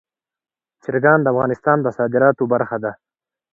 چرګان د افغانستان د صادراتو برخه ده.